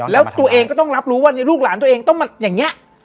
แล้วตัวเองก็ต้องรับรู้ว่าลูกหลานตัวเองต้องมาอย่างนี้